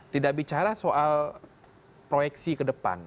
tidak bicara soal proyeksi ke depan